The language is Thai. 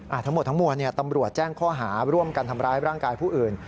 ทั้งหมดทั้งมวลเนี่ยตำรวจแจ้งข้อหาร่วมกันทำร้ายร่างกายผู้อื่น